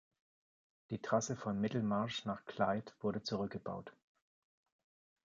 Die Trasse von Middlemarch nach Clyde wurde zurückgebaut.